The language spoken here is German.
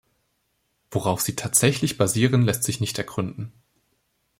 Worauf sie tatsächlich basieren, lässt sich nicht ergründen.